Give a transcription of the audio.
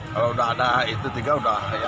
kalau sudah ada itu tiga sudah ya